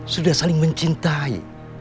sudah saling mencintai